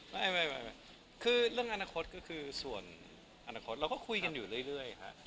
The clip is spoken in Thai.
ไม่คือเรื่องอนาคตก็คือส่วนอนาคตเราก็คุยกันอยู่เรื่อยฮะ